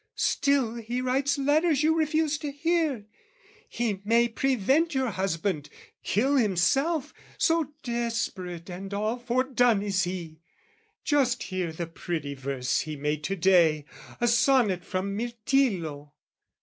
"Still he writes letters you refuse to hear. "He may prevent your husband, kill himself, "So desperate and all foredone is he! "Just hear the pretty verse he made to day! "A sonnet from Mirtillo.